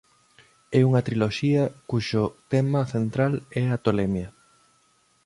É unha triloxía cuxo tema central é a tolemia.